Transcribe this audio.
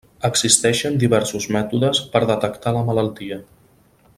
Existeixen diversos mètodes per detectar la malaltia.